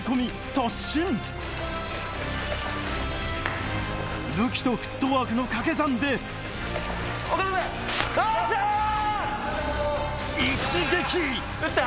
突進武器とフットワークの掛け算で撃った？